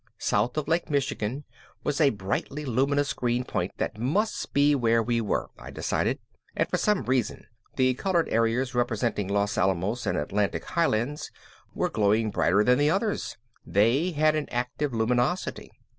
South of Lake Michigan was a brightly luminous green point that must be where we were, I decided. And for some reason the colored areas representing Los Alamos and Atlantic Highlands were glowing brighter than the others they had an active luminosity.